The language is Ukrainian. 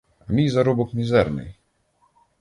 А мій заробок мізерний.